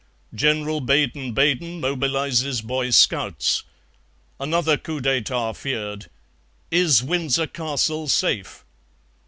"General Baden Baden mobilizes Boy Scouts. Another COUP D'ÉTAT feared. Is Windsor Castle safe?"